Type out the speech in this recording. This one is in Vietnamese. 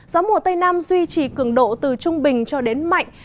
gió mùa tây nam duy trì cường độ từ trung bình cho đến mạnh